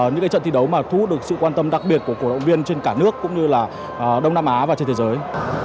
những trận thi đấu mà thu hút được sự quan tâm đặc biệt của cổ động viên trên cả nước cũng như là đông nam á và trên thế giới